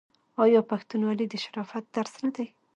آیا پښتونولي د شرافت درس نه دی؟